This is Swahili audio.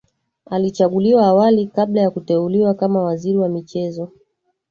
Alichaguliwa awali kabla ya kuteuliwa kama Waziri wa michezo